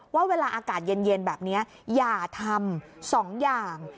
ว่าเวลาอากาศเย็นแบบนี้อย่าทำ๒อย่าง